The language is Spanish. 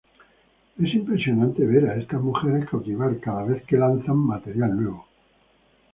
Es impresionante ver a estas mujeres cautivar cada vez que lanzan material nuevo.